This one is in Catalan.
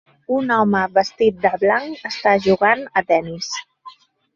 Un home vestit de blanc està jugant a tennis.